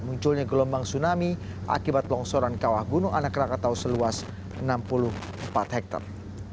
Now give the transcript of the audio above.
munculnya gelombang tsunami akibat longsoran kawah gunung anak rakatau seluas enam puluh empat hektare